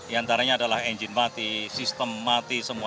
yang antaranya adalah mesin mati sistem mati semua